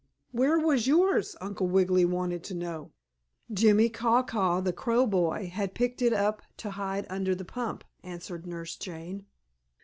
"Where was yours?" Uncle Wiggily wanted to know. "Jimmie Caw Caw, the crow boy, had picked it up to hide under the pump," answered Nurse Jane.